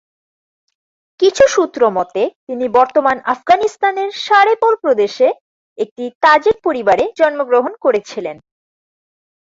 কিছু সূত্র মতে, তিনি বর্তমান আফগানিস্তানের সারে-পোল প্রদেশে একটি তাজিক পরিবারে জন্মগ্রহণ করেছিলেন।